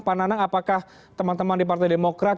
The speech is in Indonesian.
pak nanang apakah teman teman di partai demokrat